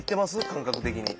感覚的に。